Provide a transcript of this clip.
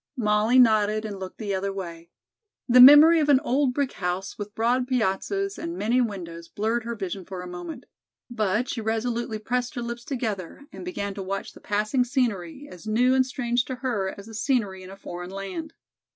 Molly nodded and looked the other way. The memory of an old brick house with broad piazzas and many windows blurred her vision for a moment. But she resolutely pressed her lips together and began to watch the passing scenery, as new and strange to her as the scenery in a foreign land.